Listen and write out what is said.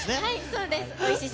そうです。